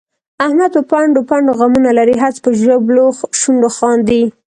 احمد په پنډو پنډو غمونه لري، هسې په ژبلو شونډو خاندي.